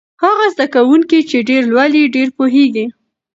هغه زده کوونکی چې ډېر لولي ډېر پوهېږي.